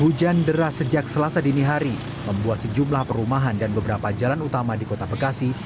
hujan deras sejak selasa dini hari membuat sejumlah perumahan dan beberapa jalan utama di kota bekasi